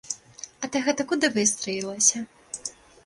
А ты гэта куды выстраілася?